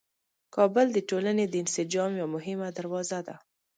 کابل د ټولنې د انسجام یوه مهمه دروازه ده.